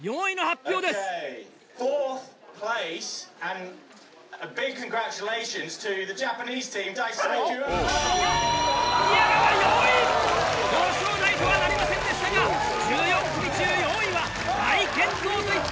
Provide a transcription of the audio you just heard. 表彰台とはなりませんでしたが１４組中４位は大健闘と言っていいでしょう！